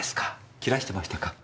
切らしてましたか。